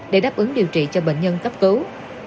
để đáp ứng điều trị cho bệnh nhân cấp cứu